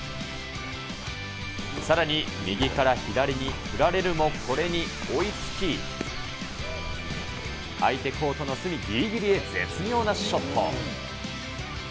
さらに右から左に振られるもこれに追いつき、相手コートの隅ぎりぎりへ絶妙なショット。